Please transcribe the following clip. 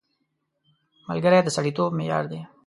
ملګری د سړیتوب معیار دی